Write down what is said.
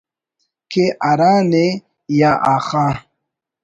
کہ ہرانے یا آخا